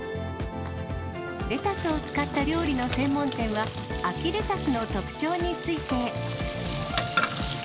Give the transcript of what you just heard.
レタスを使った料理の専門店は、秋レタスの特徴について。